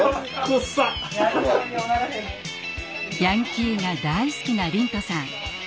ヤンキーが大好きな龍翔さん。